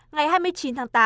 ngày hai mươi chín tháng tám